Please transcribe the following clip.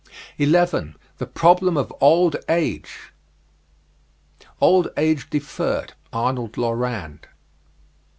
11. THE PROBLEM OF OLD AGE. "Old Age Deferred," Arnold Lorand.